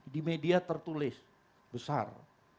di media tertulis besar